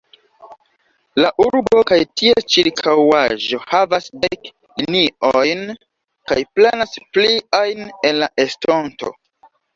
La urbo kaj ties ĉirkaŭaĵo havas dek liniojn kaj planas pliajn en la estonto.